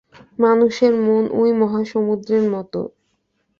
মানুষের মন ঐ মহাসমুদ্রের মত।